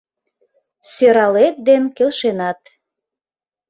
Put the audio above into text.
Сӧралет ден келшенат.